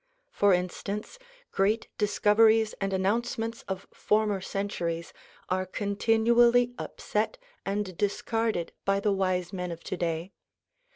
For instance, great discoveries and announcements of former cen turies are continually upset and discarded by the wise men of today.